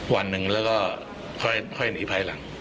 วันหนึ่งแล้วก็ค่อยหนีภายหลัง